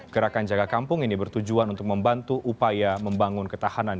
gerakan jaga kampung ini bertujuan untuk membantu upaya membangun ketahanan